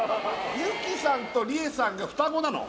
由紀さんと理恵さんが双子なの？